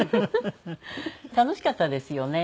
楽しかったですよね。